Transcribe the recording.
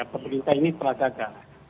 pemerintah ini telah gagal